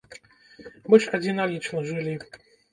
Мы ж адзіналічна жылі.